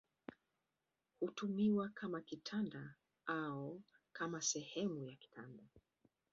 Hutumiwa kama kitanda au kama sehemu ya kitanda.